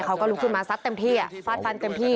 เขาก็ลุกขึ้นมาซัดเต็มที่ฟาดฟันเต็มที่